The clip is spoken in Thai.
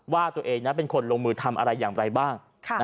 ว่าตัวเองเป็นคนลงมือทำอะไรอย่างไรบ้าง